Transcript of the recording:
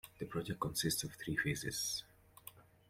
The project consists of three phases.